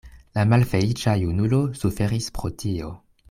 La malfeliĉa junulo suferis pro tio.